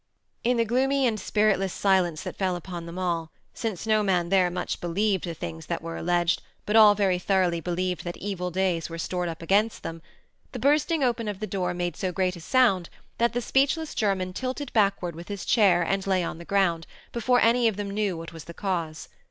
In the gloomy and spiritless silence that fell upon them all since no man there much believed the things that were alleged, but all very thoroughly believed that evil days were stored up against them the bursting open of the door made so great a sound that the speechless German tilted backward with his chair and lay on the ground, before any of them knew what was the cause.